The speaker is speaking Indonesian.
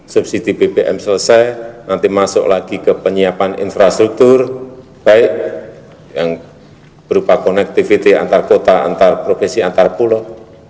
subsidi bbm selesai nanti masuk lagi ke penyiapan infrastruktur baik yang berupa connectivity antar kota antar provinsi antar pulau